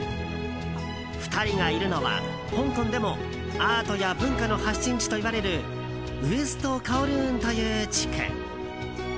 ２人がいるのは香港でもアートや文化の発信地といわれるウエスト・カオルーンという地区。